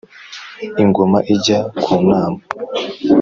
ingoma ijya ku nama